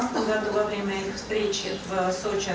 pada tahun dua ribu enam belas ketika mereka bertemu di sochi